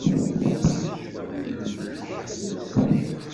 Rnu-yas cwiṭ n lmelḥ i useqqi.